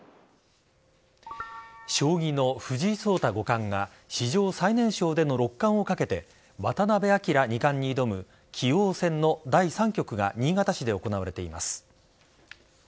将棋の藤井聡太五冠が史上最年少での六冠をかけて渡辺明二冠に挑む棋王戦の第３局が新潟市で行われています。